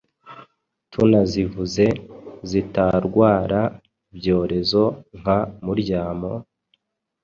tunazivuze zitadwara ibyorezo nka muryamo,